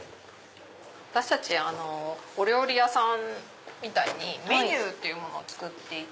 私たちお料理屋さんみたいにメニューってものを作っていて。